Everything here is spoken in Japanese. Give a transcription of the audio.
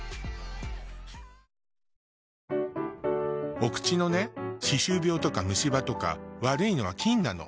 お口のね歯周病とか虫歯とか悪いのは菌なの。